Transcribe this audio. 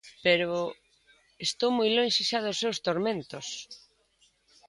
Pero estou moi lonxe xa dos seus tormentos.